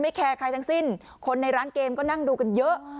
แคร์ใครทั้งสิ้นคนในร้านเกมก็นั่งดูกันเยอะ